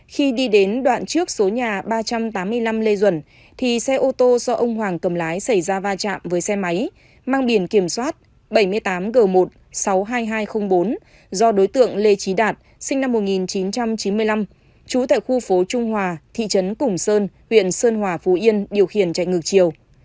khi đi đến đoạn trước số nhà ba trăm tám mươi năm lê duẩn thì xe ô tô do ông hoàng cầm lái xảy ra va chạm với xe máy mang điển kiểm soát bảy mươi tám g một sáu mươi hai nghìn hai trăm linh bốn do đối tượng lê trí đạt sinh năm một nghìn chín trăm chín mươi năm trú tại khu phố trung hòa thị trấn củng sơn huyện sơn hòa phú yên điều khiển chạy ngược chiều